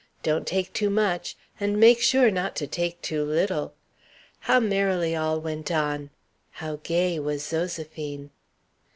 Don't take too much and make sure not to take too little! How merrily all went on! How gay was Zoséphine!